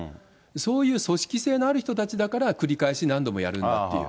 そういう組織性のある人たちだから繰り返し何度もやるんだっていう。